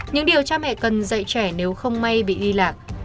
những điều cha mẹ cần dạy trẻ nếu không may bị liên lạc